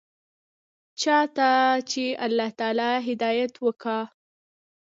چا ته چې الله تعالى هدايت وکا.